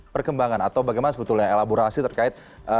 perkembangan atau bagaimana sebetulnya elaborasi terkait